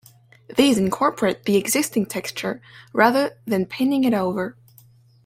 These incorporate the existing texture, rather than painting it over.